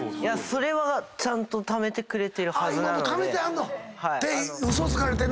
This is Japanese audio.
それはちゃんとためてくれてるはずなので。